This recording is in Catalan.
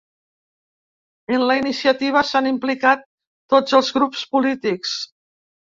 En la iniciativa s’han implicat tots els grups polítics.